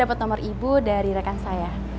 dapat nomor ibu dari rekan saya